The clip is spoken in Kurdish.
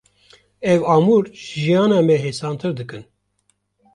Ev amûr jiyana me hêsantir dikin.